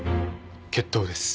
決闘です。